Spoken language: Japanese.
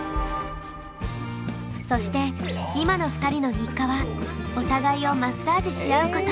そして今の２人の日課はお互いをマッサージしあうこと。